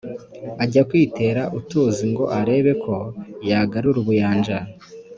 ajya kwitera utuzi ngo arebe ko yagarura ubuyanja